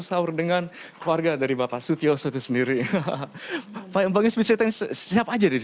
sahur dengan keluarga dari bapak setyo suatu sendiri hahaha pembahas bisnis siapa aja di